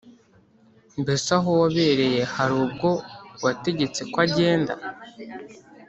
Mbese aho wabereye hari ubwo wategetse ko agenda